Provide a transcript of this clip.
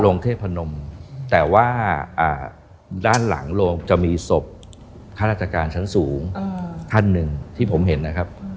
เทพนมแต่ว่าด้านหลังโรงจะมีศพข้าราชการชั้นสูงท่านหนึ่งที่ผมเห็นนะครับ